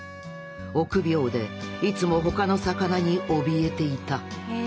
臆病でいつも他の魚におびえていた。